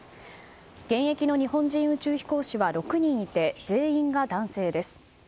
現役の日本人宇宙飛行士は６人いて、全員が男性です。